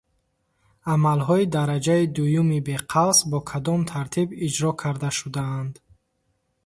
Амалҳои дараҷаи дуюми беқавс бо кадом тартиб иҷро карда шудаанд?